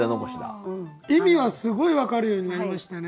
意味はすごい分かるようになりましたね。